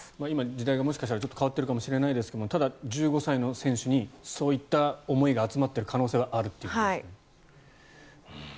今、時代がもしかしたらちょっと変わっているかもしれないですがただ、１５歳の選手にそういった思いが集まっている可能性があると。